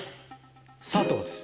佐藤です。